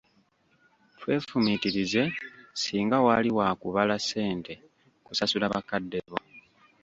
Twefumiitirize, singa wali wakubala ssente kusasula bakadde bo.